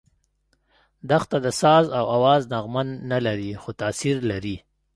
دښته د ساز او آواز نغمه نه لري، خو تاثیر لري.